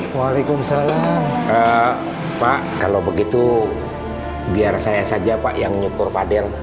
waalaikumsalam pak kalau begitu biar saya saja pak yang nyukur fadil